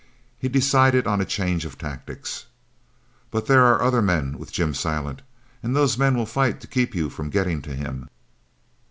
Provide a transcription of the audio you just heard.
He decided on a change of tactics. "But there are other men with Jim Silent and those men will fight to keep you from getting to him."